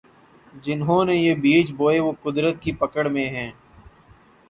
جنہوں نے یہ بیج بوئے وہ قدرت کی پکڑ میں ہیں۔